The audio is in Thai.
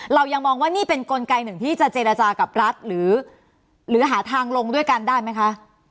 เรายังมองว่านี่เป็นกลไกหนึ่งที่จะเจรจากับรัฐหรือหาทางลงด้วยกันได้ไหมคะ